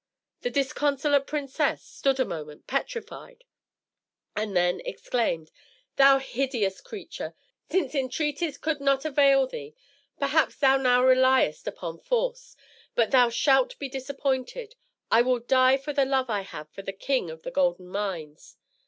The disconsolate princess stood a moment petrified, and then exclaimed, "Thou hideous creature! since entreaties could not avail thee, perhaps thou now reliest upon force; but thou shalt be disappointed. I will die for the love I have for the King of the Golden Mines!"